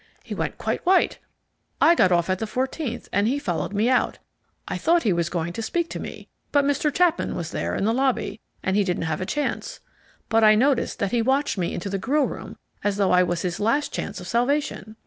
He went quite white. I got off at the fourteenth, and he followed me out. I thought he was going to speak to me, but Mr. Chapman was there in the lobby, and he didn't have a chance. But I noticed that he watched me into the grill room as though I was his last chance of salvation."